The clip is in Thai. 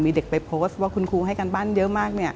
มีเด็กไปโพสต์ว่าคุณครูให้การบ้านเยอะมาก